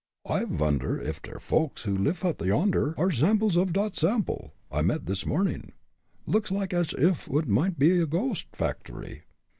I wonder ef der folks who lif up yonder ar' samples off dot Sample I met dis morning? Looks like ash uff it might be a ghost factory."